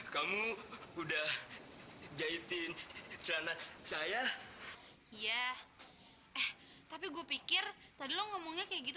kamu udah jahitin sana saya ya eh tapi gue pikir tadi lo ngomongnya kayak gitu